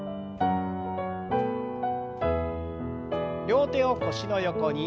両手を腰の横に。